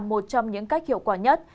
một trong những cách hiệu quả nhất